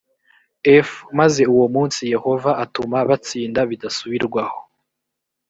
f maze uwo munsi yehova atuma batsinda bidasubirwaho